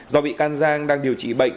do bị can giang đang điều trị bệnh